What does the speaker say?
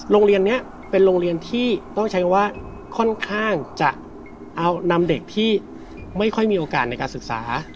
โรงเรียนนี้เป็นโรงเรียนที่ต้องใช้คำว่าค่อนข้างจะเอานำเด็กที่ไม่ค่อยมีโอกาสในการศึกษา